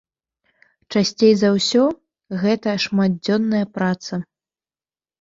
Часцей за ўсё, гэта шматдзённая праца.